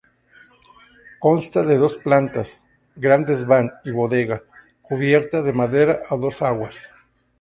Consta de dos plantas, gran desván y bodega, cubierta de madera a dos aguas.